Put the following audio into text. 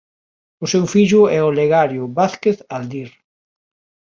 O seu fillo é Olegario Vázquez Aldir.